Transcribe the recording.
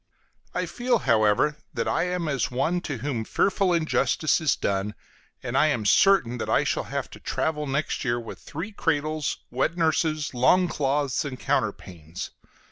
I feel, however, that I am as one to whom fearful injustice is done, and I am certain that I shall have to travel next year with three cradles, wet nurses, long clothes, and counterpanes.